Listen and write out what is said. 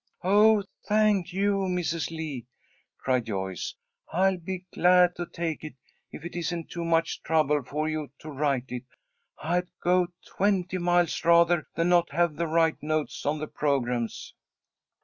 "Oh, thank you, Mrs. Lee," cried Joyce. "I'll be glad to take it, if it isn't too much trouble for you to write it. I'd go twenty miles rather than not have the right notes on the programmes."